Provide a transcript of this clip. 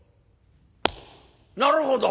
「なるほど！